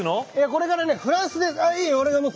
これからねフランスでいい俺が持つ。